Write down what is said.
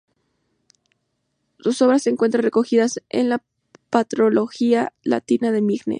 Sus obras se encuentran recogidas en la "Patrología latina" de Migne.